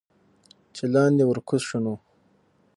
چې لاندې ورکوز شو نو